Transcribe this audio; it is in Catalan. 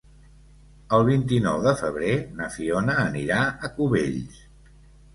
El vint-i-nou de febrer na Fiona anirà a Cubells.